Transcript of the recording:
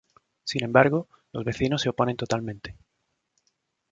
Sin embargo, los vecinos se oponen totalmente.